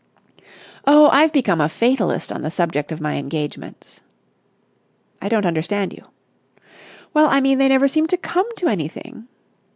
"Oh, I've become a fatalist on the subject of my engagements." "I don't understand you." "Well, I mean, they never seem to come to anything."